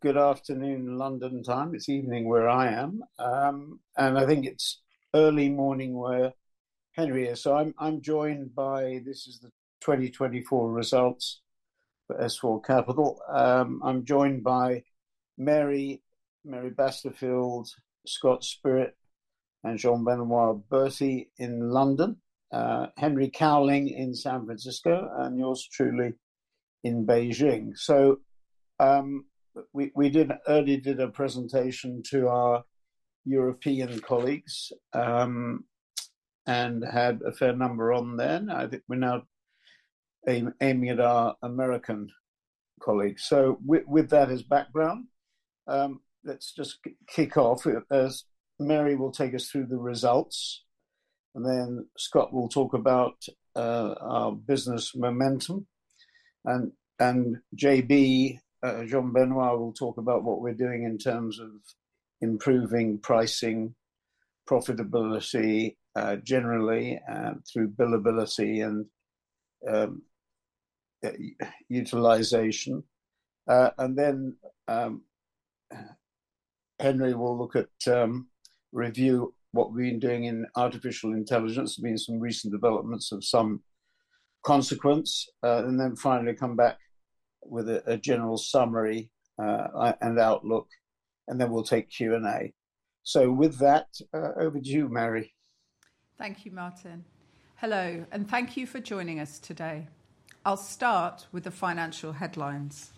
Good afternoon, London time. It's evening where I am, and I think it's early morning where Henry is. This is 2024 results for S4 Capital. I'm joined by Mary, Mary Basterfield, Scott Spirit, and Jean-Benoit Berty in London, Henry Cowling in San Francisco, and yours truly in Beijing. We did, early did a presentation to our European colleagues, and had a fair number on then. I think we're now aiming at our American colleagues. With that as background, let's just kick off. Mary will take us through the results, then Scott will talk about our business momentum. Jean-Benoit will talk about what we're doing in terms of improving pricing, profitability generally, through billability and utilization. And then, Henry will look at, review what we've been doing in artificial intelligence, meaning some recent developments of some consequence, and then finally come back with a general summary, and outlook, and then we'll take Q&A. With that, over to you, Mary. Thank you, Martin. Hello, and thank you for joining us today. I'll start with the financial headlines.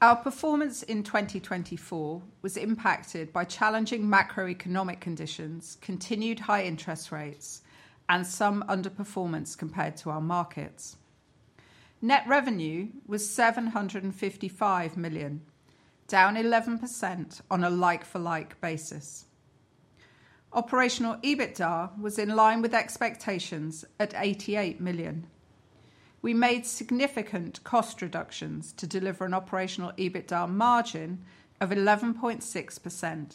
Our performance in 2024 was impacted by challenging macroeconomic conditions, continued high interest rates, and some underperformance compared to our markets. Net revenue was 755 million, down 11% on a like-for-like basis. Operational EBITDA was in line with expectations at 88 million. We made significant cost reductions to deliver an operational EBITDA margin of 11.6%,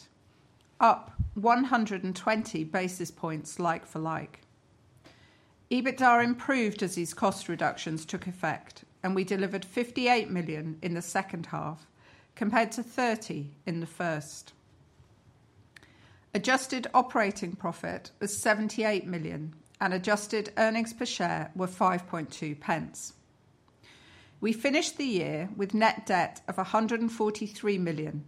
up 120 basis points like-for-like. EBITDA improved as these cost reductions took effect, and we delivered 58 million in the second half compared to 30 million in the first. Adjusted operating profit was 78 million, and adjusted earnings per share were 5.2 pence. We finished the year with net debt of 143 million,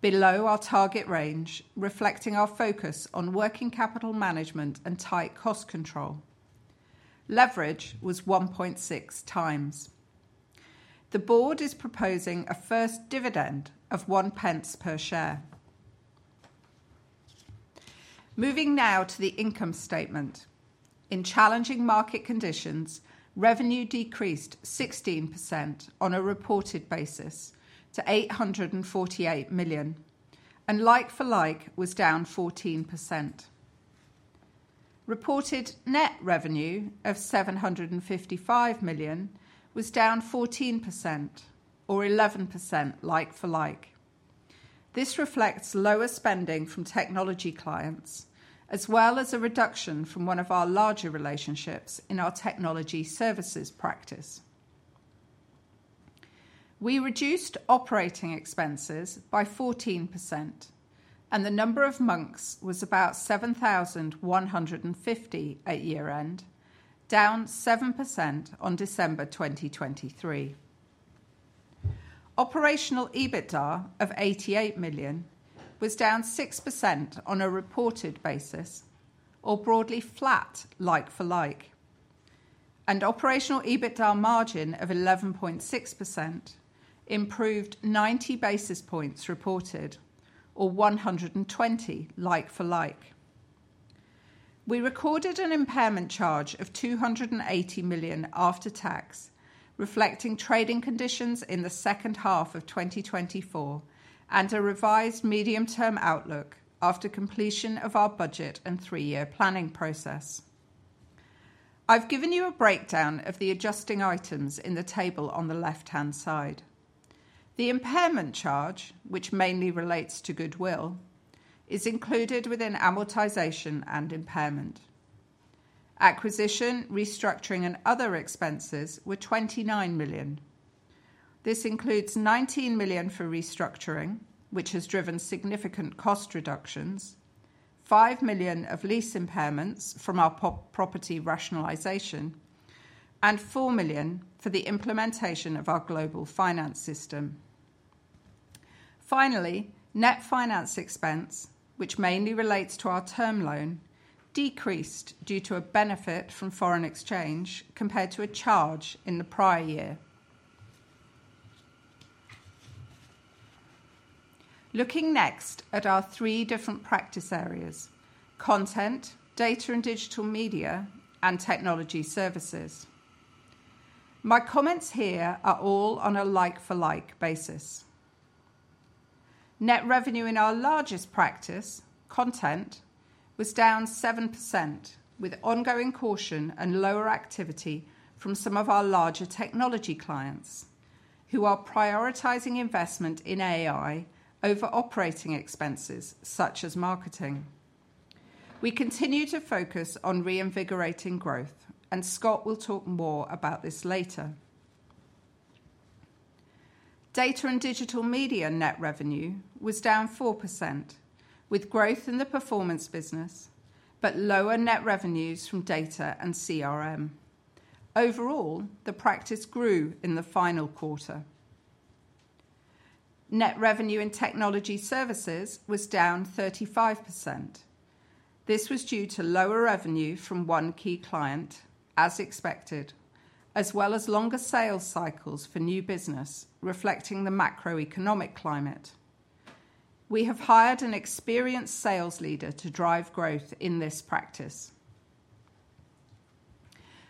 below our target range, reflecting our focus on working capital management and tight cost control. Leverage was 1.6 times. The board is proposing a first dividend of 0.01 per share. Moving now to the income statement. In challenging market conditions, revenue decreased 16% on a reported basis to 848 million, and like-for-like was down 14%. Reported net revenue of 755 million was down 14%, or 11% like-for-like. This reflects lower spending from technology clients, as well as a reduction from one of our larger relationships in our Technology Services practice. We reduced operating expenses by 14%, and the number of Monks was about 7,150 at year-end, down 7% on December 2023. Operational EBITDA of 88 million was down 6% on a reported basis, or broadly flat like-for-like. Operational EBITDA margin of 11.6% improved 90 basis points reported, or 120 like-for-like. We recorded an impairment charge of 280 million after tax, reflecting trading conditions in the second half of 2024, and a revised medium-term outlook after completion of our budget and three-year planning process. I've given you a breakdown of the adjusting items in the table on the left-hand side. The impairment charge, which mainly relates to goodwill, is included within amortization and impairment. Acquisition, restructuring, and other expenses were 29 million. This includes 19 million for restructuring, which has driven significant cost reductions, 5 million of lease impairments from our property rationalization, and 4 million for the implementation of our global finance system. Finally, net finance expense, which mainly relates to our term loan, decreased due to a benefit from foreign exchange compared to a charge in the prior year. Looking next at our three different practice areas: Content, Data & Digital Media, and Technology Services. My comments here are all on a like-for-like basis. Net revenue in our largest practice, content, was down 7%, with ongoing caution and lower activity from some of our larger technology clients, who are prioritizing investment in AI over operating expenses such as marketing. We continue to focus on reinvigorating growth, and Scott will talk more about this later. Data & Digital Media net revenue was down 4%, with growth in the performance business, but lower net revenues from data and CRM. Overall, the practice grew in the final quarter. Net revenue in Technology Services was down 35%. This was due to lower revenue from one key client, as expected, as well as longer sales cycles for new business, reflecting the macroeconomic climate. We have hired an experienced sales leader to drive growth in this practice.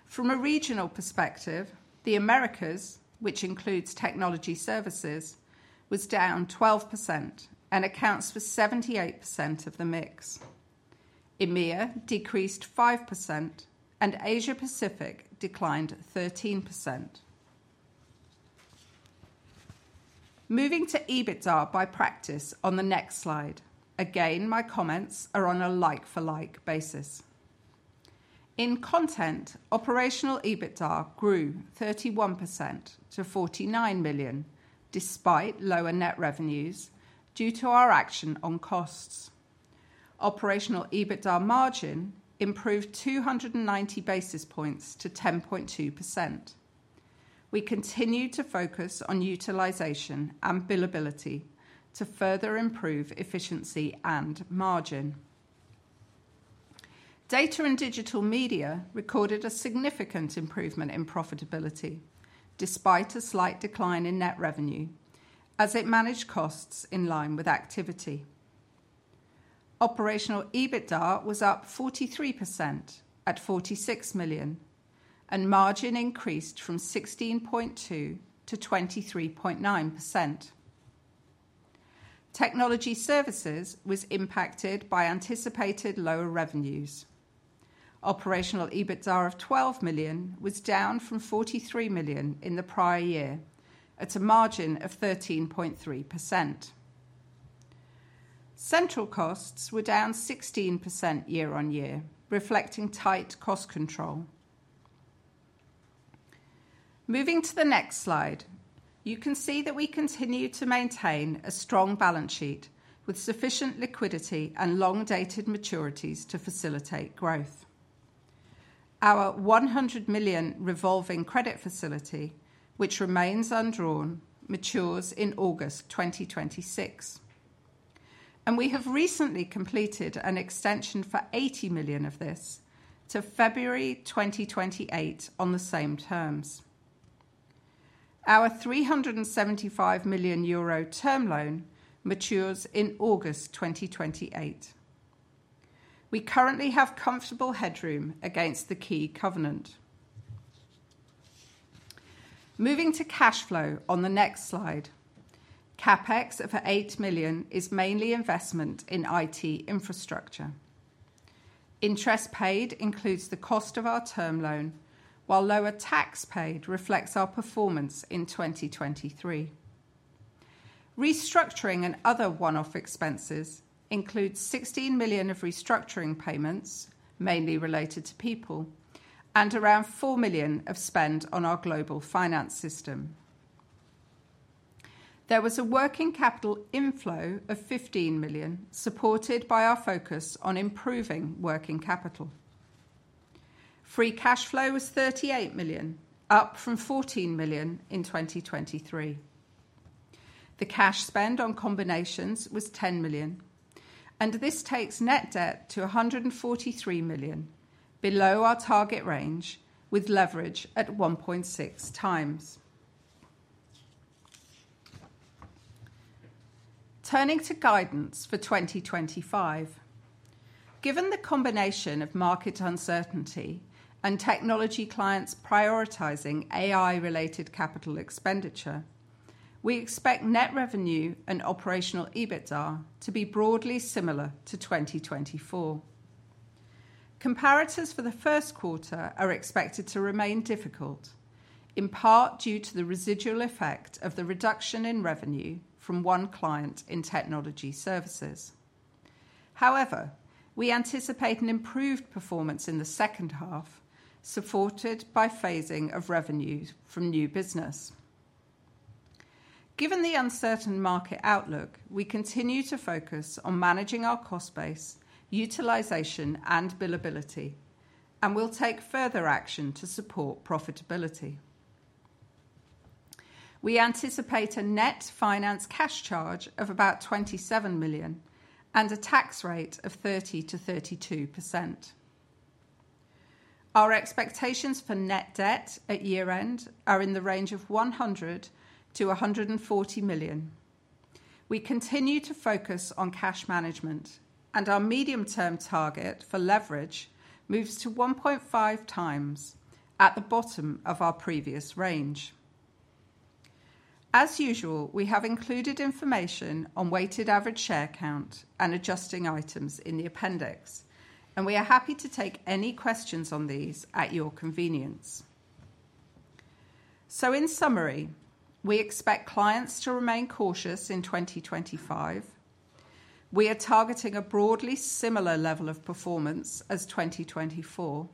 From a regional perspective, the Americas, which includes Technology Services, was down 12% and accounts for 78% of the mix. EMEA decreased 5%, and Asia-Pacific declined 13%. Moving to EBITDA by practice on the next slide. Again, my comments are on a like-for-like basis. In Content, operational EBITDA grew 31% to 49 million, despite lower net revenues, due to our action on costs. Operational EBITDA margin improved 290 basis points to 10.2%. We continue to focus on utilization and billability to further improve efficiency and margin. Data & Digital Media recorded a significant improvement in profitability, despite a slight decline in net revenue, as it managed costs in line with activity. Operational EBITDA was up 43% at 46 million, and margin increased from 16.2% to 23.9%. Technology Services was impacted by anticipated lower revenues. Operational EBITDA of $12 million was down from $43 million in the prior year, at a margin of 13.3%. Central costs were down 16% year-on-year, reflecting tight cost control. Moving to the next slide, you can see that we continue to maintain a strong balance sheet with sufficient liquidity and long-dated maturities to facilitate growth. Our $100 million revolving credit facility, which remains undrawn, matures in August 2026. We have recently completed an extension for $80 million of this to February 2028 on the same terms. Our 375 million euro term loan matures in August 2028. We currently have comfortable headroom against the key covenant. Moving to cash flow on the next slide. CapEx of $8 million is mainly investment in IT infrastructure. Interest paid includes the cost of our term loan, while lower tax paid reflects our performance in 2023. Restructuring and other one-off expenses include 16 million of restructuring payments, mainly related to people, and around 4 million of spend on our global finance system. There was a working capital inflow of 15 million, supported by our focus on improving working capital. Free cash flow was 38 million, up from 14 million in 2023. The cash spend on combinations was 10 million, and this takes net debt to 143 million, below our target range, with leverage at 1.6 times. Turning to guidance for 2025. Given the combination of market uncertainty and technology clients prioritizing AI-related CapEx, we expect net revenue and operational EBITDA to be broadly similar to 2024. Comparatives for the first quarter are expected to remain difficult, in part due to the residual effect of the reduction in revenue from one client in Technology Services. However, we anticipate an improved performance in the second half, supported by phasing of revenue from new business. Given the uncertain market outlook, we continue to focus on managing our cost base, utilization, and billability, and we'll take further action to support profitability. We anticipate a net finance cash charge of about 27 million and a tax rate of 30%-32%. Our expectations for net debt at year-end are in the range of 100-140 million. We continue to focus on cash management, and our medium-term target for leverage moves to 1.5 times at the bottom of our previous range. As usual, we have included information on weighted average share count and adjusting items in the appendix, and we are happy to take any questions on these at your convenience. In summary, we expect clients to remain cautious in 2025. We are targeting a broadly similar level of performance as 2024,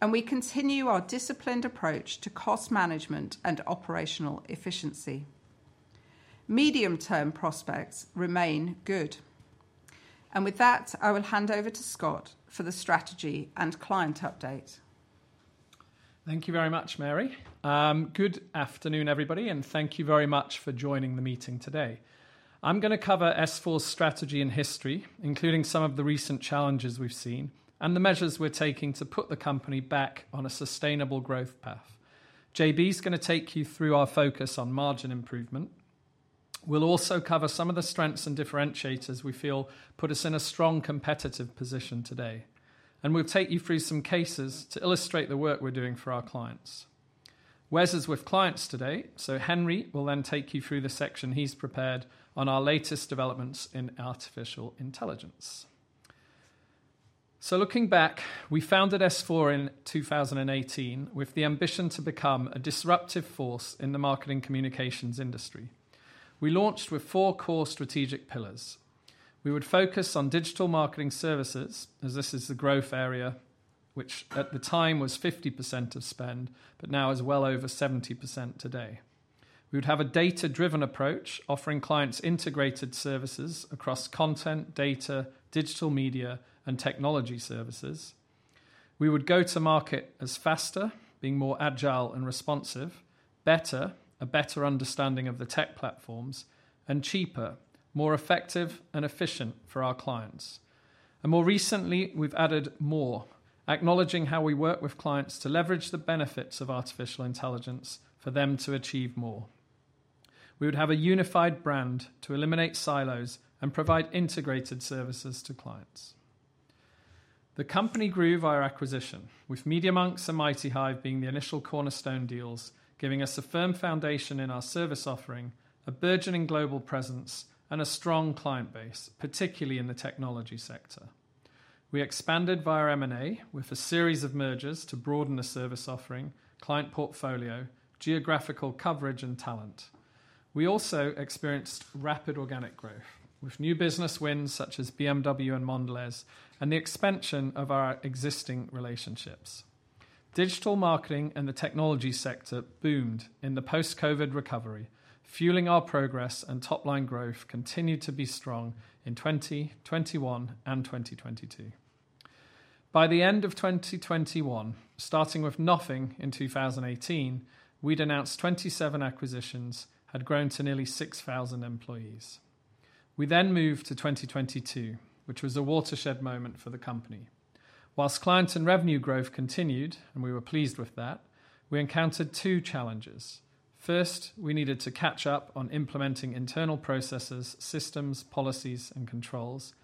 and we continue our disciplined approach to cost management and operational efficiency. Medium-term prospects remain good. With that, I will hand over to Scott for the strategy and client update. Thank you very much, Mary. Good afternoon, everybody, and thank you very much for joining the meeting today. I'm going to cover S4's strategy and history, including some of the recent challenges we've seen and the measures we're taking to put the company back on a sustainable growth path. JB is going to take you through our focus on margin improvement. We will also cover some of the strengths and differentiators we feel put us in a strong competitive position today. We will take you through some cases to illustrate the work we're doing for our clients. Wes is with clients today, so Henry will then take you through the section he's prepared on our latest developments in artificial intelligence. Looking back, we founded S4 in 2018 with the ambition to become a disruptive force in the marketing communications industry. We launched with four core strategic pillars. We would focus on digital marketing services, as this is the growth area, which at the time was 50% of spend, but now is well over 70% today. We would have a data-driven approach, offering clients integrated services across content, data, digital media, and technology services. We would go to market as faster, being more agile and responsive, better, a better understanding of the tech platforms, and cheaper, more effective and efficient for our clients. More recently, we've added more, acknowledging how we work with clients to leverage the benefits of artificial intelligence for them to achieve more. We would have a unified brand to eliminate silos and provide integrated services to clients. The company grew via acquisition, with MediaMonks and MightyHive being the initial cornerstone deals, giving us a firm foundation in our service offering, a burgeoning global presence, and a strong client base, particularly in the technology sector. We expanded via M&A with a series of mergers to broaden the service offering, client portfolio, geographical coverage, and talent. We also experienced rapid organic growth, with new business wins such as BMW and Mondelez and the expansion of our existing relationships. Digital marketing and the technology sector boomed in the post-COVID recovery, fueling our progress and top-line growth continued to be strong in 2021 and 2022. By the end of 2021, starting with nothing in 2018, we'd announced 27 acquisitions had grown to nearly 6,000 employees. We then moved to 2022, which was a watershed moment for the company. Whilst client and revenue growth continued, and we were pleased with that, we encountered two challenges. First, we needed to catch up on implementing internal processes, systems, policies, and controls.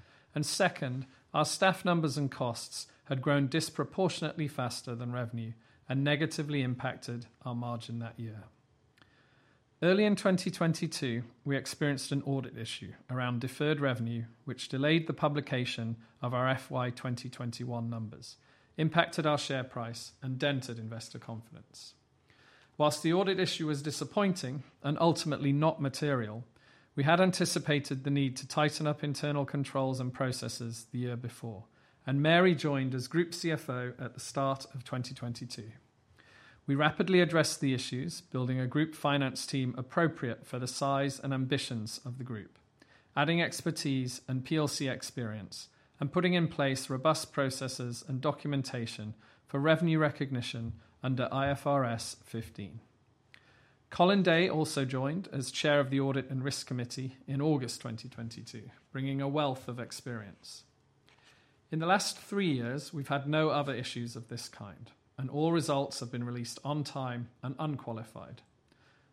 Second, our staff numbers and costs had grown disproportionately faster than revenue and negatively impacted our margin that year. Early in 2022, we experienced an audit issue around deferred revenue, which delayed the publication of our FY 2021 numbers, impacted our share price, and dented investor confidence. Whilst the audit issue was disappointing and ultimately not material, we had anticipated the need to tighten up internal controls and processes the year before, and Mary joined as Group CFO at the start of 2022. We rapidly addressed the issues, building a group finance team appropriate for the size and ambitions of the group, adding expertise and PLC experience, and putting in place robust processes and documentation for revenue recognition under IFRS 15. Colin Day also joined as Chair of the Audit and Risk Committee in August 2022, bringing a wealth of experience. In the last three years, we've had no other issues of this kind, and all results have been released on time and unqualified.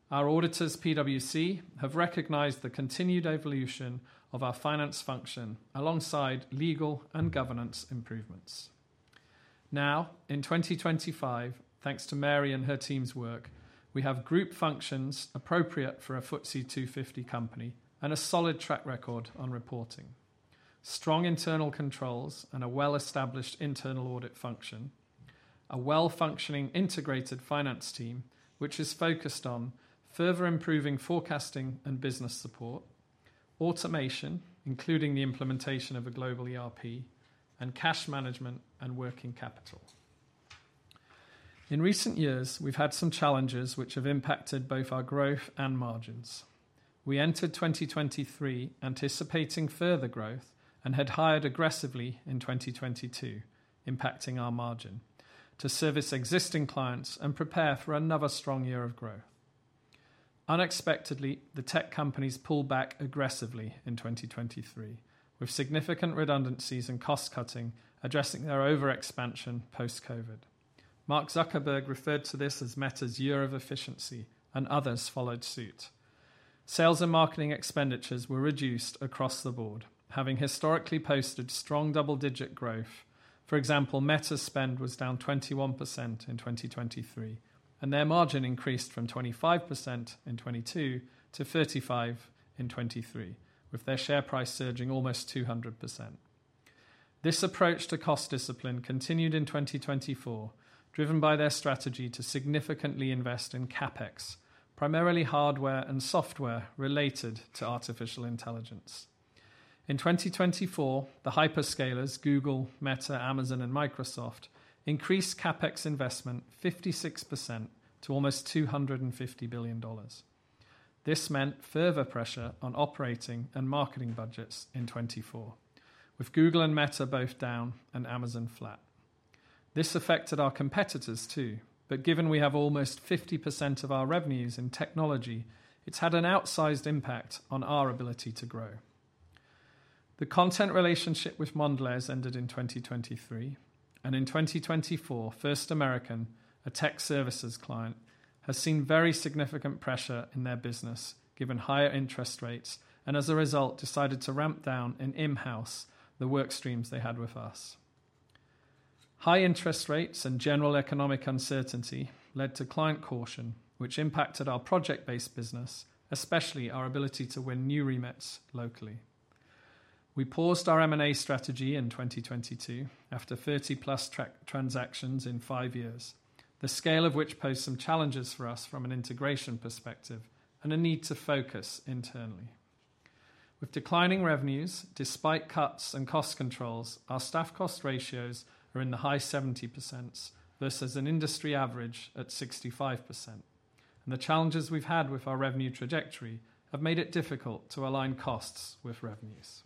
Our auditors, PwC, have recognized the continued evolution of our finance function alongside legal and governance improvements. Now, in 2025, thanks to Mary and her team's work, we have group functions appropriate for a FTSE 250 company and a solid track record on reporting, strong internal controls, and a well-established internal audit function, a well-functioning integrated finance team, which is focused on further improving forecasting and business support, automation, including the implementation of a global ERP, and cash management and working capital. In recent years, we've had some challenges which have impacted both our growth and margins. We entered 2023 anticipating further growth and had hired aggressively in 2022, impacting our margin to service existing clients and prepare for another strong year of growth. Unexpectedly, the tech companies pulled back aggressively in 2023, with significant redundancies and cost cutting, addressing their overexpansion post-COVID. Mark Zuckerberg referred to this as Meta's year of efficiency, and others followed suit. Sales and marketing expenditures were reduced across the board, having historically posted strong double-digit growth. For example, Meta's spend was down 21% in 2023, and their margin increased from 25% in 2022 to 35% in 2023, with their share price surging almost 200%. This approach to cost discipline continued in 2024, driven by their strategy to significantly invest in CapEx, primarily hardware and software related to artificial intelligence. In 2024, the hyperscalers, Google, Meta, Amazon, and Microsoft, increased CapEx investment 56% to almost $250 billion. This meant further pressure on operating and marketing budgets in 2024, with Google and Meta both down and Amazon flat. This affected our competitors too, but given we have almost 50% of our revenues in technology, it's had an outsized impact on our ability to grow. The content relationship with Mondelez ended in 2023, and in 2024, First American, a tech services client, has seen very significant pressure in their business, given higher interest rates, and as a result, decided to ramp down and in-house the work streams they had with us. High interest rates and general economic uncertainty led to client caution, which impacted our project-based business, especially our ability to win new remitts locally. We paused our M&A strategy in 2022 after 30+ transactions in five years, the scale of which posed some challenges for us from an integration perspective and a need to focus internally. With declining revenues, despite cuts and cost controls, our staff cost ratios are in the high 70% versus an industry average at 65%. The challenges we've had with our revenue trajectory have made it difficult to align costs with revenues.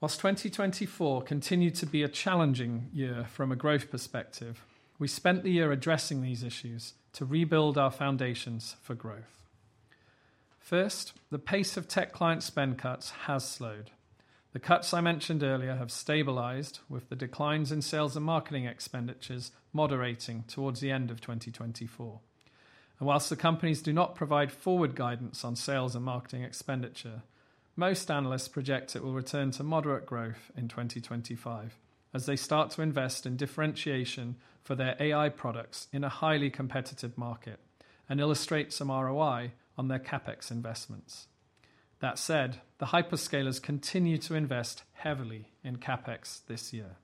Whilst 2024 continued to be a challenging year from a growth perspective, we spent the year addressing these issues to rebuild our foundations for growth. First, the pace of tech client spend cuts has slowed. The cuts I mentioned earlier have stabilized, with the declines in sales and marketing expenditures moderating towards the end of 2024. Whilst the companies do not provide forward guidance on sales and marketing expenditure, most analysts project it will return to moderate growth in 2025 as they start to invest in differentiation for their AI products in a highly competitive market and illustrate some ROI on their CapEx investments. That said, the hyperscalers continue to invest heavily in CapEx this year.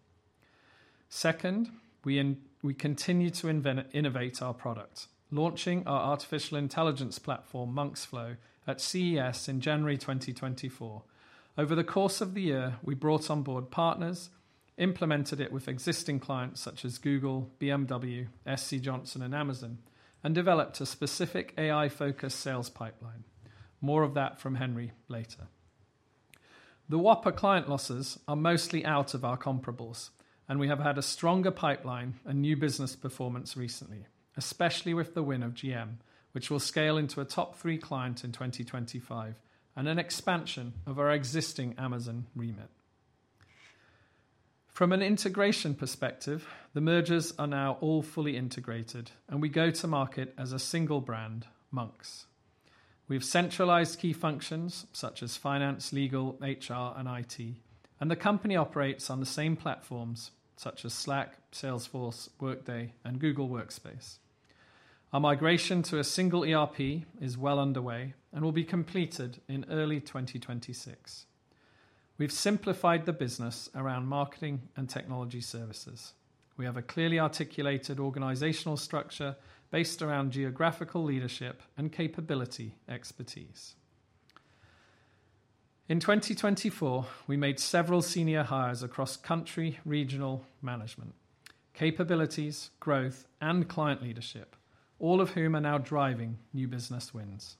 Second, we continue to innovate our product, launching our artificial intelligence platform, Monks.Flow, at CES in January 2024. Over the course of the year, we brought on board partners, implemented it with existing clients such as Google, BMW, SC Johnson, and Amazon, and developed a specific AI-focused sales pipeline. More of that from Henry later. The Whopper client losses are mostly out of our comparables, and we have had a stronger pipeline and new business performance recently, especially with the win of GM, which will scale into a top three client in 2025 and an expansion of our existing Amazon remit. From an integration perspective, the mergers are now all fully integrated, and we go to market as a single brand, Monks. We have centralized key functions such as finance, legal, HR, and IT, and the company operates on the same platforms such as Slack, Salesforce, Workday, and Google Workspace. Our migration to a single ERP is well underway and will be completed in early 2026. We've simplified the business around marketing and technology services. We have a clearly articulated organizational structure based around geographical leadership and capability expertise. In 2024, we made several senior hires across country, regional, management, capabilities, growth, and client leadership, all of whom are now driving new business wins.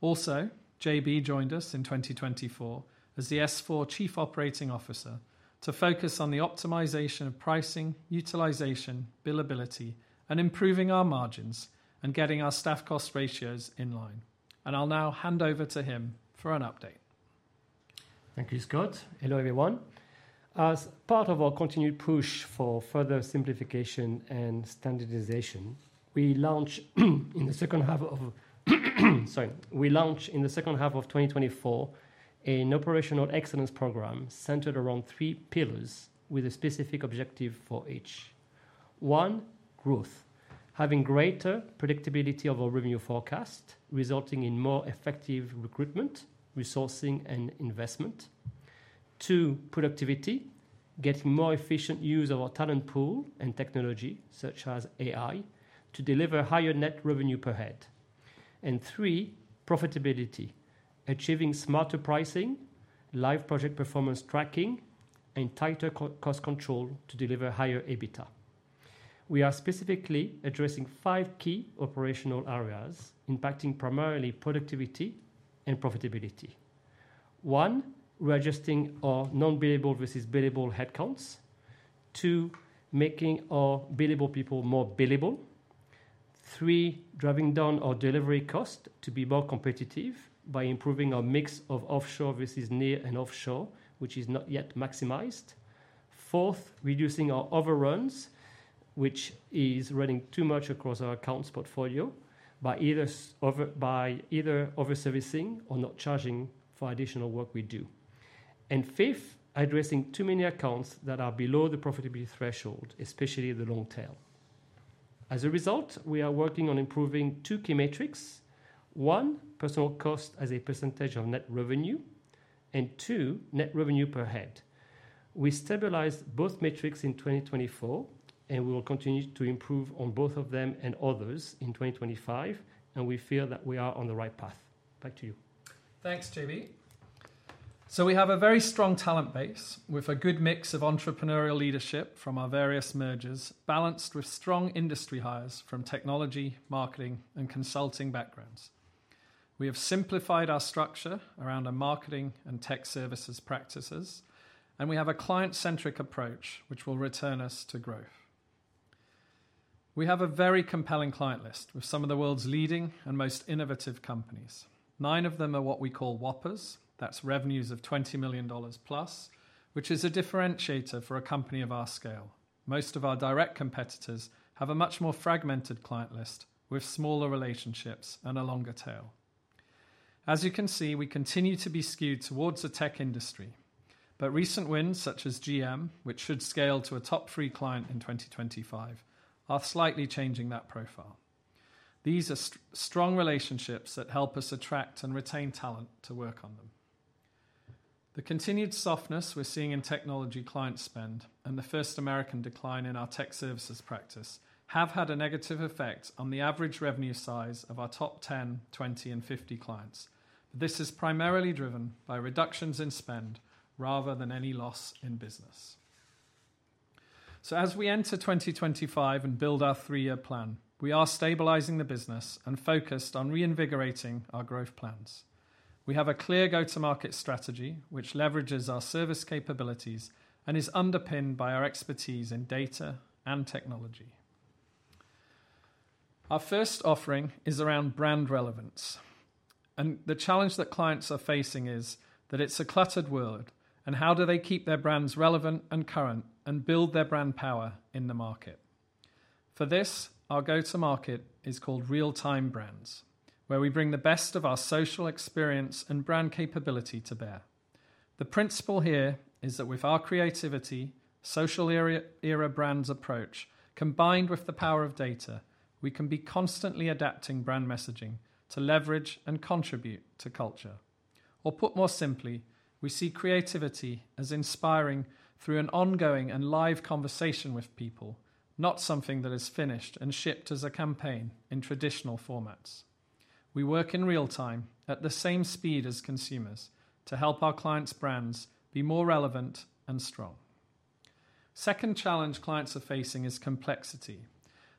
Also, JB joined us in 2024 as the S4 Chief Operating Officer to focus on the optimization of pricing, utilization, billability, and improving our margins and getting our staff cost ratios in line. I will now hand over to him for an update. Thank you, Scott. Hello, everyone. As part of our continued push for further simplification and standardization, we launched in the second half of 2024 an operational excellence program centered around three pillars with a specific objective for each. One, growth, having greater predictability of our revenue forecast, resulting in more effective recruitment, resourcing, and investment. Two, productivity, getting more efficient use of our talent pool and technology, such as AI, to deliver higher net revenue per head. Three, profitability, achieving smarter pricing, live project performance tracking, and tighter cost control to deliver higher EBITDA. We are specifically addressing five key operational areas impacting primarily productivity and profitability. One, we are adjusting our non-billable versus billable headcounts. Two, making our billable people more billable. Three, driving down our delivery cost to be more competitive by improving our mix of offshore versus near and offshore, which is not yet maximized. Fourth, reducing our overruns, which is running too much across our accounts portfolio by either overservicing or not charging for additional work we do. Fifth, addressing too many accounts that are below the profitability threshold, especially the long tail. As a result, we are working on improving two key metrics. One, personal cost as a percentage of net revenue, and two, net revenue per head. We stabilized both metrics in 2024, and we will continue to improve on both of them and others in 2025, and we feel that we are on the right path. Back to you. Thanks, JB. We have a very strong talent base with a good mix of entrepreneurial leadership from our various mergers, balanced with strong industry hires from technology, marketing, and consulting backgrounds. We have simplified our structure around our marketing and tech services practices, and we have a client-centric approach, which will return us to growth. We have a very compelling client list with some of the world's leading and most innovative companies. Nine of them are what we call Whoppers. That's revenues of $20 million plus, which is a differentiator for a company of our scale. Most of our direct competitors have a much more fragmented client list with smaller relationships and a longer tail. As you can see, we continue to be skewed towards the tech industry, but recent wins such as GM, which should scale to a top three client in 2025, are slightly changing that profile. These are strong relationships that help us attract and retain talent to work on them. The continued softness we're seeing in technology client spend and the First American decline in our tech services practice have had a negative effect on the average revenue size of our top 10, 20, and 50 clients. This is primarily driven by reductions in spend rather than any loss in business. As we enter 2025 and build our three-year plan, we are stabilizing the business and focused on reinvigorating our growth plans. We have a clear go-to-market strategy, which leverages our service capabilities and is underpinned by our expertise in data and technology. Our first offering is around brand relevance. The challenge that clients are facing is that it's a cluttered world, and how do they keep their brands relevant and current and build their brand power in the market? For this, our go-to-market is called Real-Time Brands, where we bring the best of our social experience and brand capability to bear. The principle here is that with our creativity, social era brands approach, combined with the power of data, we can be constantly adapting brand messaging to leverage and contribute to culture. Or put more simply, we see creativity as inspiring through an ongoing and live conversation with people, not something that is finished and shipped as a campaign in traditional formats. We work in real time at the same speed as consumers to help our clients' brands be more relevant and strong. The second challenge clients are facing is complexity.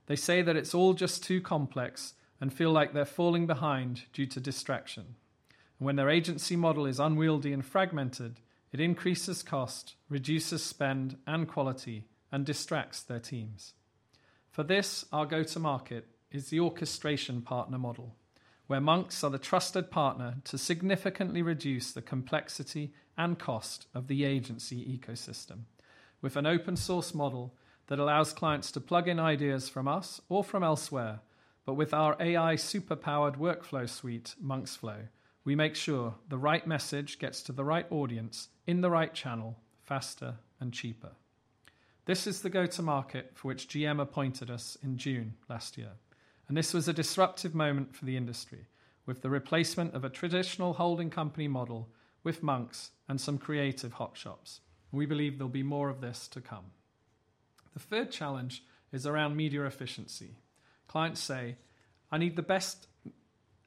They say that it's all just too complex and feel like they're falling behind due to distraction. When their agency model is unwieldy and fragmented, it increases cost, reduces spend and quality, and distracts their teams. For this, our go-to-market is the Orchestration Partner model, where Monks are the trusted partner to significantly reduce the complexity and cost of the agency ecosystem. With an open-source model that allows clients to plug in ideas from us or from elsewhere, but with our AI superpowered workflow suite, Monks.Flow, we make sure the right message gets to the right audience in the right channel faster and cheaper. This is the go-to-market for which GM appointed us in June last year. This was a disruptive moment for the industry with the replacement of a traditional holding company model with Monks and some creative hot shops. We believe there'll be more of this to come. The third challenge is around media efficiency. Clients say, "I need the best,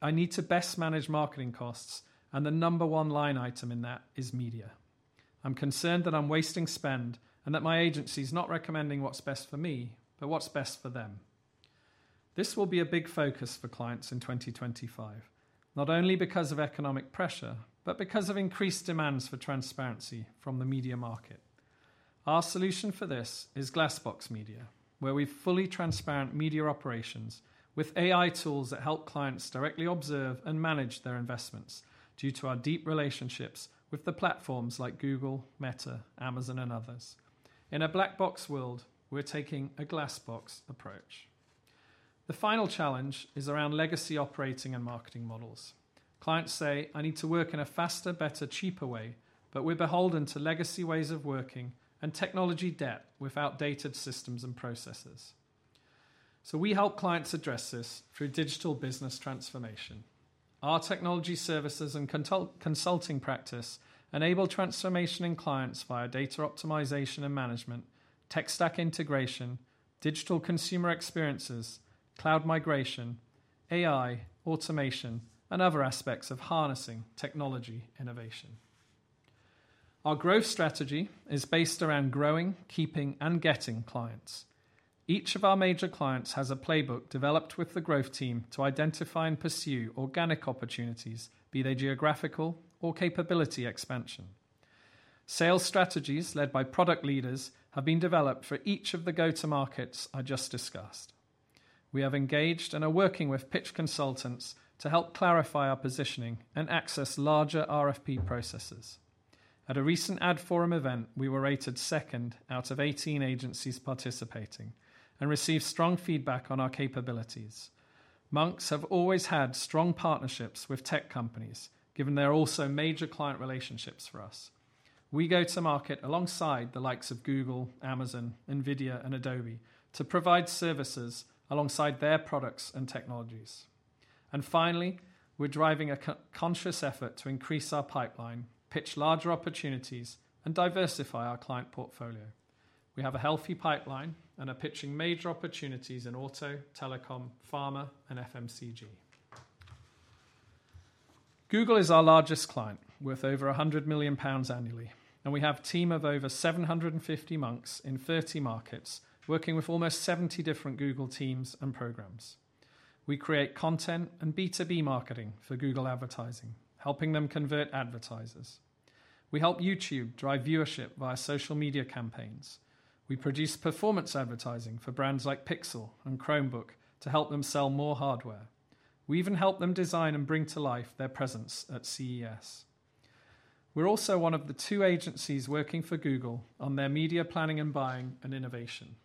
I need to best manage marketing costs, and the number one line item in that is media. I'm concerned that I'm wasting spend and that my agency is not recommending what's best for me, but what's best for them." This will be a big focus for clients in 2025, not only because of economic pressure, but because of increased demands for transparency from the media market. Our solution for this is Glass Box Media, where we have fully transparent media operations with AI tools that help clients directly observe and manage their investments due to our deep relationships with the platforms like Google, Meta, Amazon, and others. In a black box world, we're taking a glass box approach. The final challenge is around legacy operating and marketing models. Clients say, "I need to work in a faster, better, cheaper way, but we're beholden to legacy ways of working and technology debt with outdated systems and processes." We help clients address this through digital business transformation. Our technology services and consulting practice enable transformation in clients via data optimization and management, tech stack integration, digital consumer experiences, cloud migration, AI, automation, and other aspects of harnessing technology innovation. Our growth strategy is based around growing, keeping, and getting clients. Each of our major clients has a playbook developed with the growth team to identify and pursue organic opportunities, be they geographical or capability expansion. Sales strategies led by product leaders have been developed for each of the go-to-markets I just discussed. We have engaged and are working with pitch consultants to help clarify our positioning and access larger RFP processes. At a recent AdForum event, we were rated second out of 18 agencies participating and received strong feedback on our capabilities. Monks have always had strong partnerships with tech companies, given they're also major client relationships for us. We go to market alongside the likes of Google, Amazon, NVIDIA, and Adobe to provide services alongside their products and technologies. Finally, we're driving a conscious effort to increase our pipeline, pitch larger opportunities, and diversify our client portfolio. We have a healthy pipeline and are pitching major opportunities in auto, telecom, pharma, and FMCG. Google is our largest client with over 100 million pounds annually, and we have a team of over 750 Monks in 30 markets working with almost 70 different Google teams and programs. We create content and B2B marketing for Google advertising, helping them convert advertisers. We help YouTube drive viewership via social media campaigns. We produce performance advertising for brands like Pixel and Chromebook to help them sell more hardware. We even help them design and bring to life their presence at CES. We're also one of the two agencies working for Google on their media planning and buying and innovation.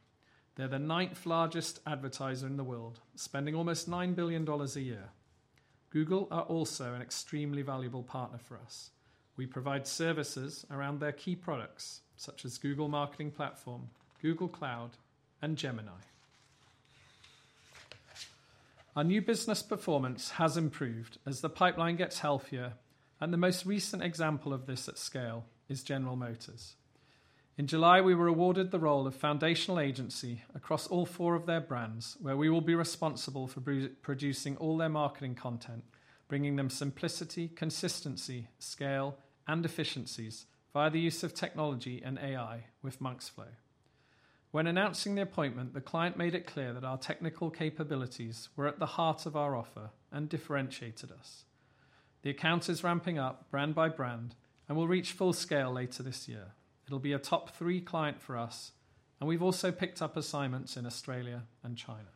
They're the ninth largest advertiser in the world, spending almost $9 billion a year. Google are also an extremely valuable partner for us. We provide services around their key products, such as Google Marketing Platform, Google Cloud, and Gemini. Our new business performance has improved as the pipeline gets healthier, and the most recent example of this at scale is General Motors. In July, we were awarded the role of foundational agency across all four of their brands, where we will be responsible for producing all their marketing content, bringing them simplicity, consistency, scale, and efficiencies via the use of technology and AI with Monks.Flow. When announcing the appointment, the client made it clear that our technical capabilities were at the heart of our offer and differentiated us. The account is ramping up brand by brand and will reach full scale later this year. It'll be a top three client for us, and we've also picked up assignments in Australia and China.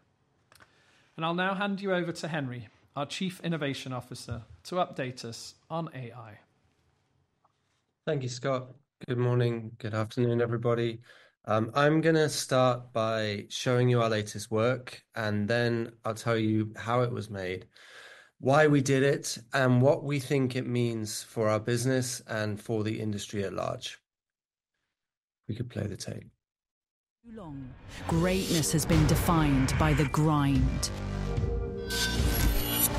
I will now hand you over to Henry, our Chief Innovation Officer, to update us on AI. Thank you, Scott. Good morning, good afternoon, everybody. I'm going to start by showing you our latest work, and then I'll tell you how it was made, why we did it, and what we think it means for our business and for the industry at large. We could play the tape. Too long. Greatness has been defined by the grind,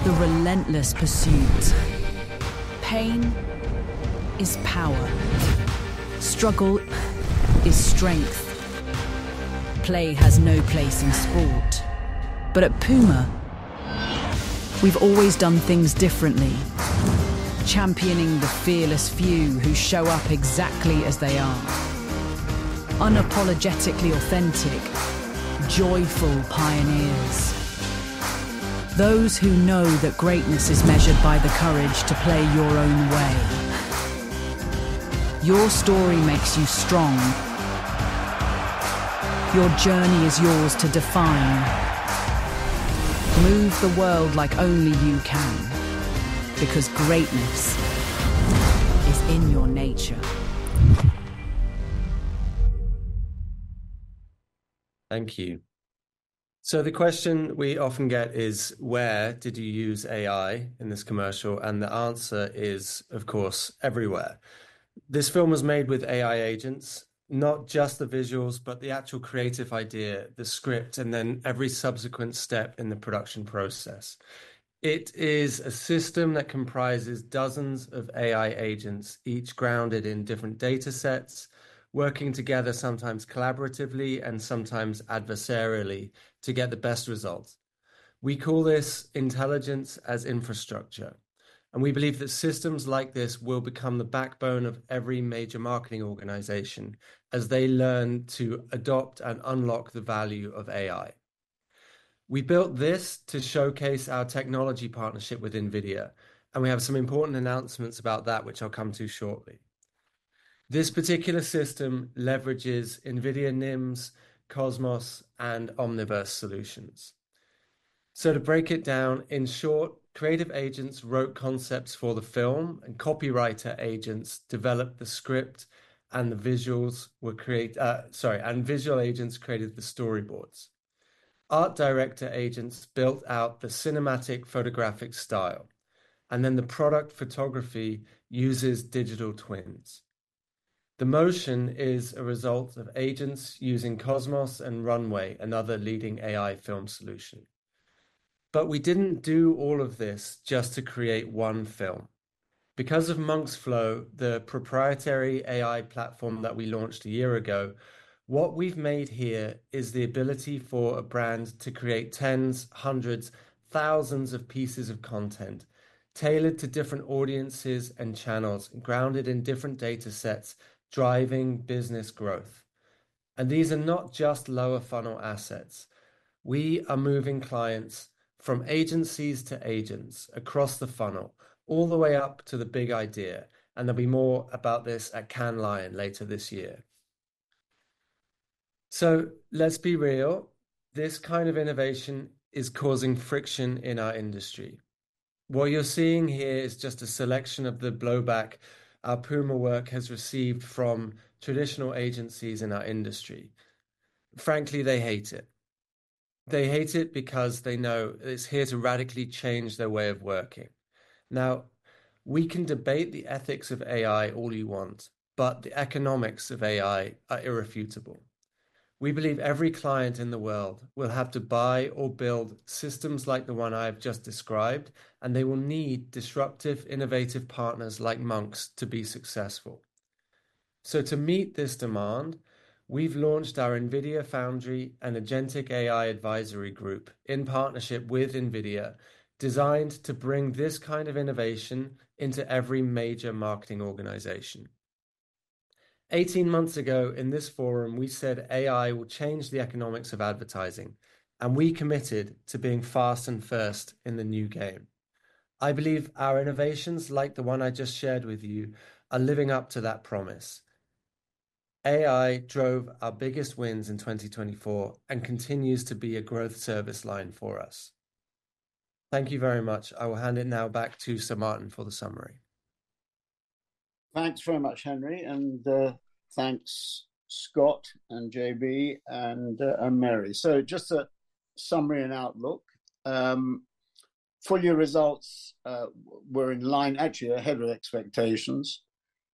the relentless pursuit. Pain is power. Struggle is strength. Play has no place in sport. At Puma, we've always done things differently, championing the fearless few who show up exactly as they are, unapologetically authentic, joyful pioneers. Those who know that greatness is measured by the courage to play your own way. Your story makes you strong. Your journey is yours to define. Move the world like only you can, because greatness is in your nature. Thank you. The question we often get is, where did you use AI in this commercial? The answer is, of course, everywhere. This film was made with AI agents, not just the visuals, but the actual creative idea, the script, and then every subsequent step in the production process. It is a system that comprises dozens of AI agents, each grounded in different data sets, working together sometimes collaboratively and sometimes adversarially to get the best results. We call this intelligence as infrastructure. We believe that systems like this will become the backbone of every major marketing organization as they learn to adopt and unlock the value of AI. We built this to showcase our technology partnership with NVIDIA, and we have some important announcements about that, which I'll come to shortly. This particular system leverages NVIDIA NIM, Cosmos, and Omniverse solutions. To break it down, in short, creative agents wrote concepts for the film, and copywriter agents developed the script, and the visuals were created, sorry, and visual agents created the storyboards. Art director agents built out the cinematic photographic style, and then the product photography uses digital twins. The motion is a result of agents using Cosmos and Runway, another leading AI film solution. We did not do all of this just to create one film. Because of Monks.Flow, the proprietary AI platform that we launched a year ago, what we have made here is the ability for a brand to create tens, hundreds, thousands of pieces of content tailored to different audiences and channels grounded in different data sets driving business growth. These are not just lower funnel assets. We are moving clients from agencies to agents across the funnel, all the way up to the big idea. There will be more about this at Cannes Lions later this year. Let's be real. This kind of innovation is causing friction in our industry. What you are seeing here is just a selection of the blowback our Puma work has received from traditional agencies in our industry. Frankly, they hate it. They hate it because they know it is here to radically change their way of working. Now, we can debate the ethics of AI all you want, but the economics of AI are irrefutable. We believe every client in the world will have to buy or build systems like the one I have just described, and they will need disruptive, innovative partners like Monks to be successful. To meet this demand, we've launched our NVIDIA Foundry and Agentic AI Advisory Group in partnership with NVIDIA, designed to bring this kind of innovation into every major marketing organization. Eighteen months ago in this forum, we said AI will change the economics of advertising, and we committed to being fast and first in the new game. I believe our innovations, like the one I just shared with you, are living up to that promise. AI drove our biggest wins in 2024 and continues to be a growth service line for us. Thank you very much. I will hand it now back to Sir Martin for the summary. Thanks very much, Henry, and thanks, Scott and JB and Mary. Just a summary and outlook. For your results, we're in line, actually ahead of expectations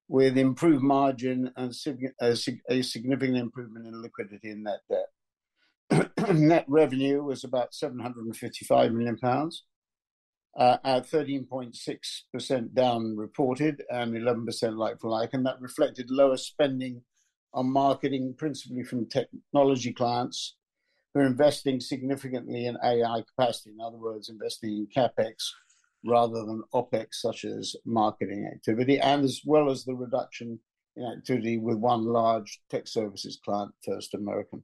with improved margin and a significant improvement in liquidity and net debt. Net revenue was about 755 million pounds, at 13.6% down reported and 11% like-for-like. That reflected lower spending on marketing, principally from technology clients who are investing significantly in AI capacity, in other words, investing in CapEx rather than OpEx, such as marketing activity, as well as the reduction in activity with one large tech services client, First American.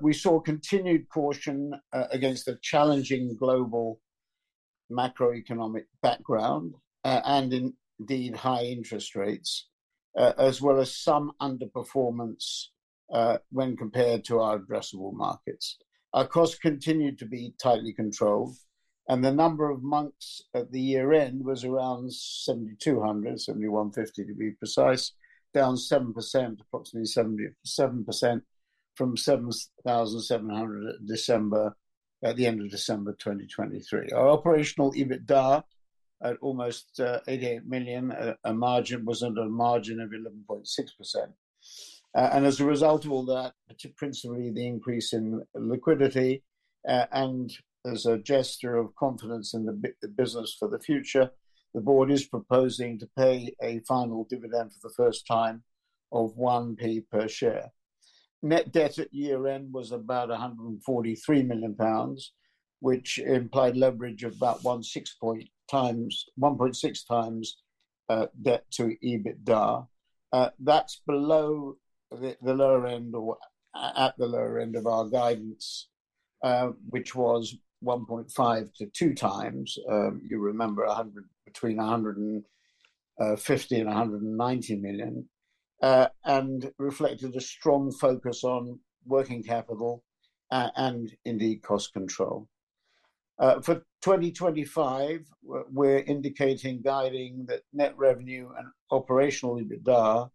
We saw continued caution against a challenging global macroeconomic background and indeed high interest rates, as well as some underperformance when compared to our addressable markets. Our costs continued to be tightly controlled, and the number of Monks at the year-end was around 7,200, 7,150 to be precise, down 7%, approximately 7% from 7,700 at the end of December 2023. Our operational EBITDA at almost 88 million, a margin was under a margin of 11.6%. As a result of all that, principally the increase in liquidity and as a gesture of confidence in the business for the future, the board is proposing to pay a final dividend for the first time of 1 pence per share. Net debt at year-end was about 143 million pounds, which implied leverage of about 1.6 times debt to EBITDA. That is below the lower end or at the lower end of our guidance, which was 1.5-2 times, you remember, between 150 million and 190 million, and reflected a strong focus on working capital and indeed cost control. For 2025, we're indicating guiding that net revenue and operational EBITDA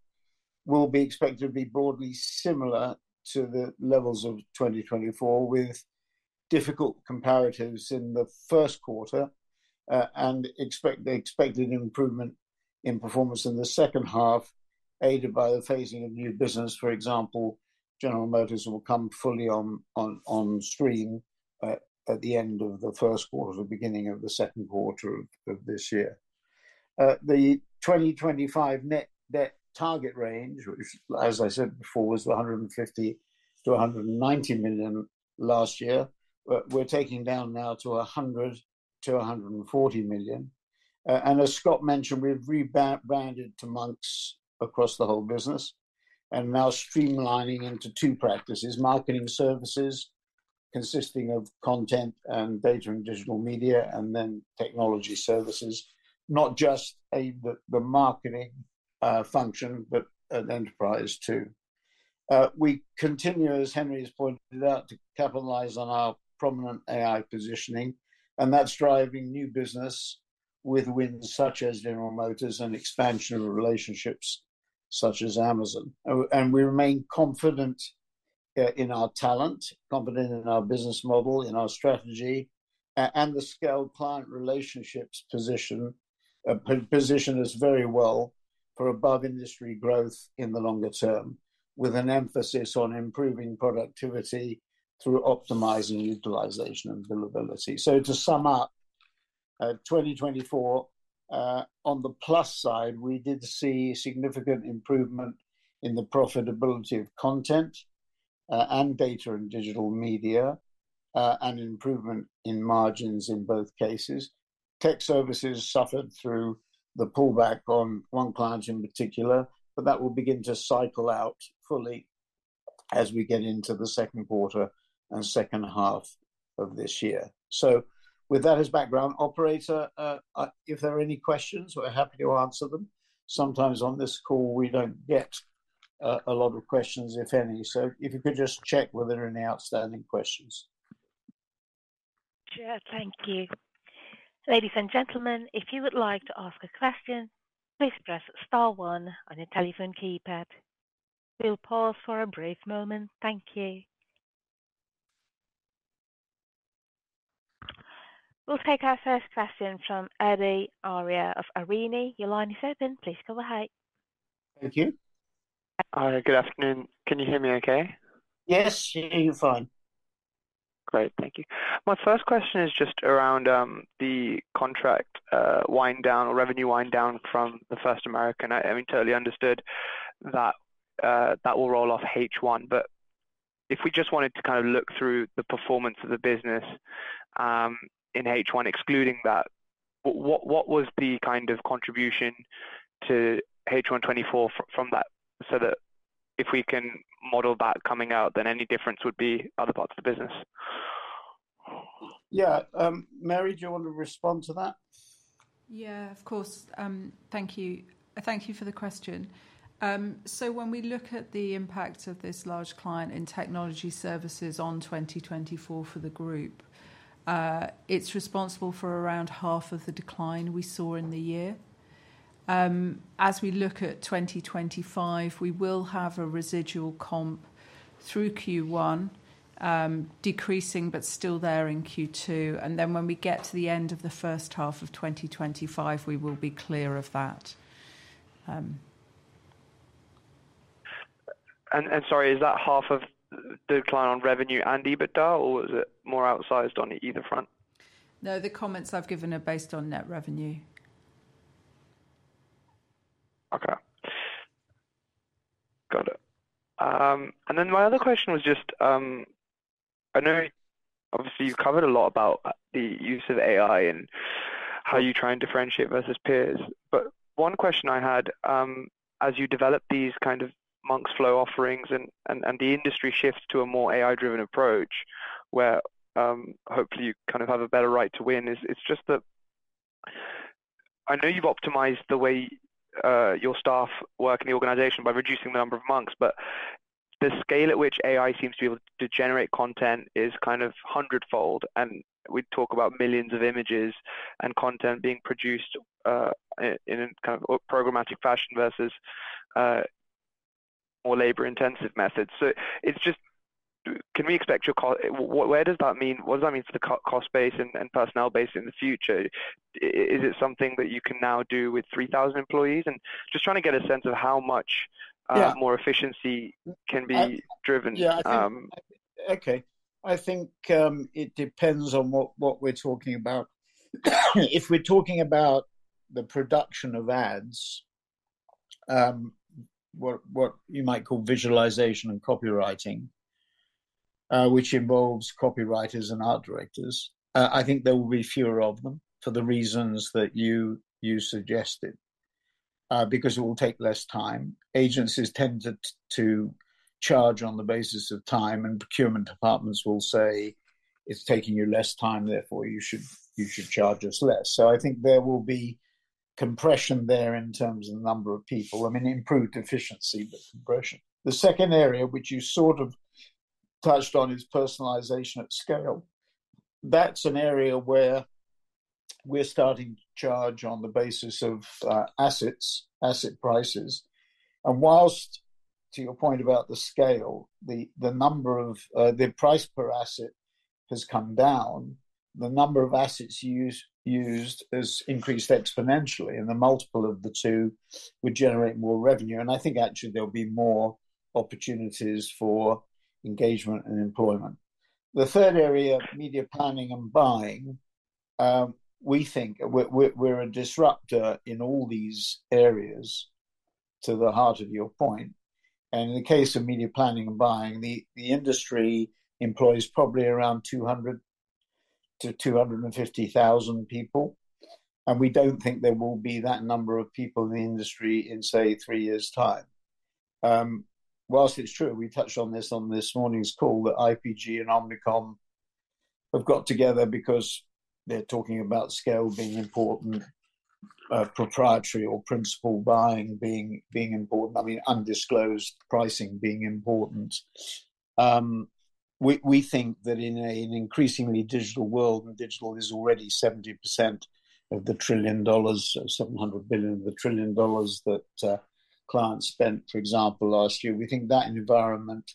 will be expected to be broadly similar to the levels of 2024, with difficult comparatives in the first quarter and expected improvement in performance in the second half, aided by the phasing of new business. For example, General Motors will come fully on stream at the end of the first quarter, the beginning of the second quarter of this year. The 2025 net debt target range, which, as I said before, was 150 million-190 million last year, we're taking down now to 100 million-140 million. As Scott mentioned, we've rebranded to Monks across the whole business and now streamlining into two practices: Marketing Services consisting of Content and Data & Digital Media, and then Technology Services, not just the marketing function, but an enterprise too. We continue, as Henry has pointed out, to capitalize on our prominent AI positioning, and that is driving new business with wins such as General Motors and expansion of relationships such as Amazon. We remain confident in our talent, confident in our business model, in our strategy, and the scaled client relationships position us very well for above-industry growth in the longer term, with an emphasis on improving productivity through optimizing utilization and billability. To sum up, 2024, on the plus side, we did see significant improvement in the profitability of Content and Data & Digital Media and improvement in margins in both cases. Tech services suffered through the pullback on one client in particular, but that will begin to cycle out fully as we get into the second quarter and second half of this year. With that as background, Operator, if there are any questions, we're happy to answer them. Sometimes on this call, we do not get a lot of questions, if any. If you could just check whether there are any outstanding questions. Yeah, thank you. Ladies and gentlemen, if you would like to ask a question, please press star one on your telephone keypad. We'll pause for a brief moment. Thank you. We'll take our first question from Adi Arya of Arini. Your line is open. Please go ahead. Thank you. Hi, good afternoon. Can you hear me okay? Yes, you're fine. Great, thank you. My first question is just around the contract wind down or revenue wind down from First American. I mean, totally understood that that will roll off H1, but if we just wanted to kind of look through the performance of the business in H1, excluding that, what was the kind of contribution to H1 2024 from that so that if we can model that coming out, then any difference would be other parts of the business? Yeah, Mary, do you want to respond to that? Yeah, of course. Thank you. Thank you for the question. When we look at the impact of this large client in Technology Services on 2024 for the group, it is responsible for around half of the decline we saw in the year. As we look at 2025, we will have a residual comp through Q1, decreasing, but still there in Q2. When we get to the end of the first half of 2025, we will be clear of that. Sorry, is that half of the decline on revenue and EBITDA, or is it more outsized on either front? No, the comments I've given are based on net revenue. Okay. Got it. My other question was just, I know obviously you've covered a lot about the use of AI and how you try and differentiate versus peers, but one question I had, as you develop these kind of Monks.Flow offerings and the industry shifts to a more AI-driven approach, where hopefully you kind of have a better right to win, it's just that I know you've optimized the way your staff work in the organization by reducing the number of months, but the scale at which AI seems to be able to generate content is kind of hundredfold. We talk about millions of images and content being produced in a kind of programmatic fashion versus more labor-intensive methods. Can we expect your cost? Where does that mean? What does that mean for the cost base and personnel base in the future? Is it something that you can now do with 3,000 employees? I am just trying to get a sense of how much more efficiency can be driven. Yeah, okay. I think it depends on what we're talking about. If we're talking about the production of ads, what you might call visualization and copywriting, which involves copywriters and art directors, I think there will be fewer of them for the reasons that you suggested, because it will take less time. Agencies tend to charge on the basis of time, and procurement departments will say, "It's taking you less time, therefore you should charge us less." I think there will be compression there in terms of the number of people. I mean, improved efficiency, but compression. The second area, which you sort of touched on, is personalization at scale. That's an area where we're starting to charge on the basis of assets, asset prices. Whilst, to your point about the scale, the number of the price per asset has come down, the number of assets used has increased exponentially, and the multiple of the two would generate more revenue. I think actually there'll be more opportunities for engagement and employment. The third area, media planning and buying, we think we're a disruptor in all these areas to the heart of your point. In the case of media planning and buying, the industry employs probably around 200,000-250,000 people, and we don't think there will be that number of people in the industry in, say, three years' time. Whilst it's true, we touched on this on this morning's call, that IPG and Omnicom have got together because they're talking about scale being important, proprietary or principal buying being important, I mean, undisclosed pricing being important. We think that in an increasingly digital world, and digital is already 70% of the trillion dollars, $700 billion of the trillion dollars that clients spent, for example, last year, we think that environment,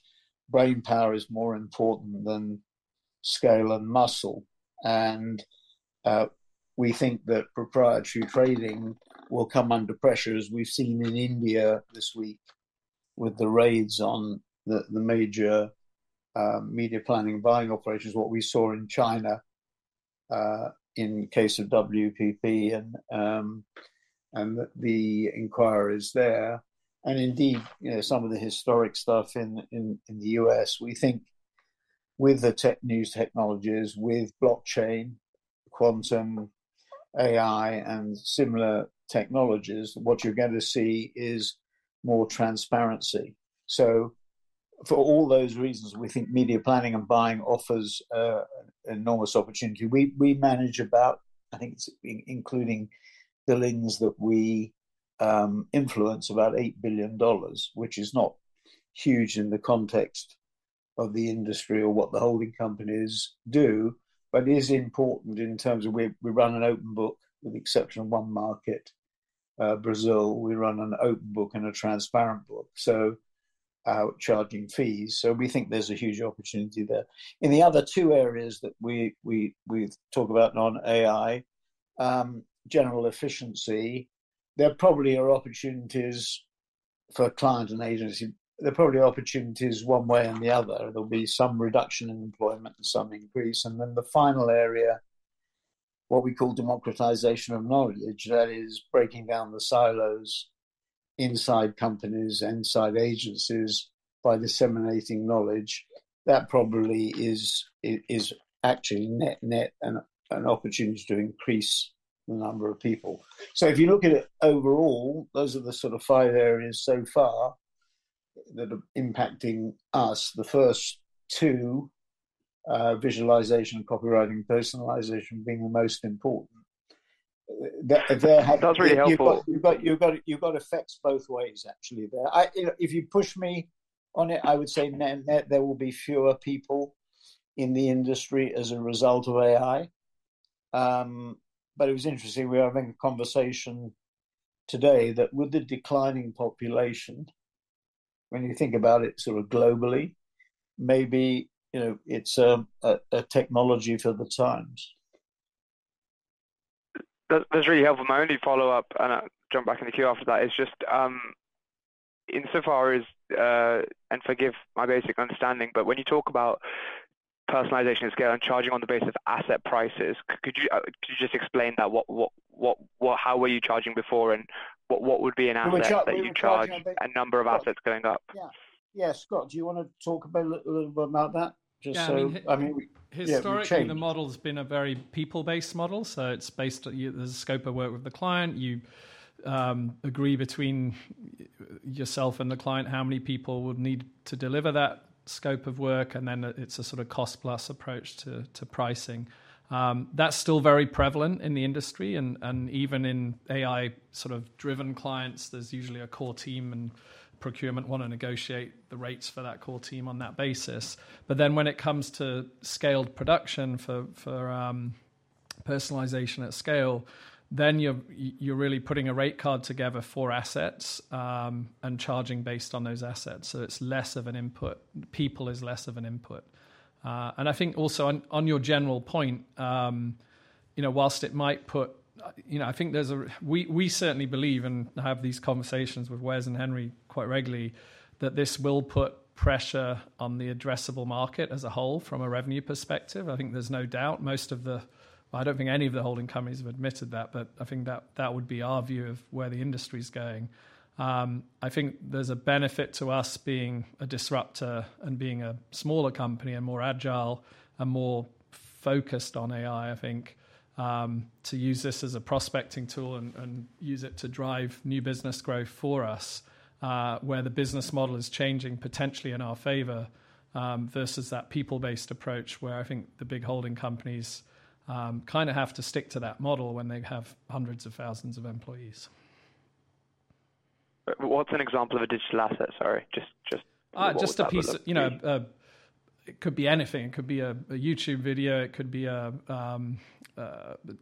brain power is more important than scale and muscle. We think that proprietary trading will come under pressure, as we've seen in India this week with the raids on the major media planning and buying operations, what we saw in China in case of WPP and the inquiries there. Indeed, some of the historic stuff in the U.S., we think with the tech news technologies, with blockchain, quantum, AI, and similar technologies, what you're going to see is more transparency. For all those reasons, we think media planning and buying offers an enormous opportunity. We manage about, I think it's including the lens that we influence, about $8 billion, which is not huge in the context of the industry or what the holding companies do, but is important in terms of we run an open book with the exception of one market, Brazil. We run an open book and a transparent book. Charging fees. We think there's a huge opportunity there. In the other two areas that we talk about on AI, general efficiency, there probably are opportunities for client and agency. There are probably opportunities one way and the other. There will be some reduction in employment and some increase. The final area, what we call democratization of knowledge, that is breaking down the silos inside companies and inside agencies by disseminating knowledge. That probably is actually net an opportunity to increase the number of people. If you look at it overall, those are the sort of five areas so far that are impacting us. The first two, visualization, copywriting, personalization being the most important. That's really helpful. You've got effects both ways, actually, there. If you push me on it, I would say there will be fewer people in the industry as a result of AI. It was interesting. We are having a conversation today that with the declining population, when you think about it sort of globally, maybe it's a technology for the times. That's really helpful. My only follow-up, and I'll jump back in the queue after that, is just in so far as, and forgive my basic understanding, but when you talk about personalization at scale and charging on the basis of asset prices, could you just explain that? How were you charging before? What would be an average that you charge and number of assets going up? Yeah. Yeah, Scott, do you want to talk a little bit about that? Just so, I mean. Historically, the model has been a very people-based model. It is based on the scope of work with the client. You agree between yourself and the client how many people would need to deliver that scope of work, and then it is a sort of cost-plus approach to pricing. That is still very prevalent in the industry. Even in AI sort of driven clients, there is usually a core team and procurement want to negotiate the rates for that core team on that basis. When it comes to scaled production for personalization at scale, you are really putting a rate card together for assets and charging based on those assets. It is less of an input. People is less of an input. I think also on your general point, whilst it might put, I think we certainly believe and have these conversations with Wes and Henry quite regularly that this will put pressure on the addressable market as a whole from a revenue perspective. I think there is no doubt. Most of the, I do not think any of the holding companies have admitted that, but I think that would be our view of where the industry's going. I think there's a benefit to us being a disruptor and being a smaller company and more agile and more focused on AI, I think, to use this as a prospecting tool and use it to drive new business growth for us where the business model is changing potentially in our favor versus that people-based approach where I think the big holding companies kind of have to stick to that model when they have hundreds of thousands of employees. What's an example of a digital asset? Sorry, just. Just a piece. It could be anything. It could be a YouTube video. It could be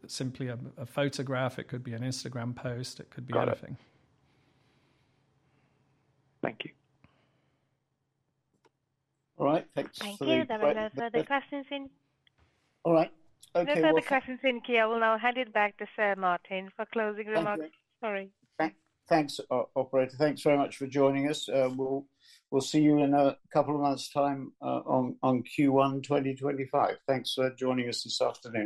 simply a photograph. It could be an Instagram post. It could be anything. Thank you. All right. Thanks for the. Thank you. There were no further questions in. All right. Okay. No further questions in here. We'll now hand it back to Sir Martin for closing remarks. Sorry. Thanks, Operator. Thanks very much for joining us. We'll see you in a couple of months' time on Q1 2025. Thanks for joining us this afternoon.